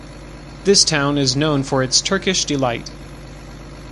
This town is known for its Turkish delight.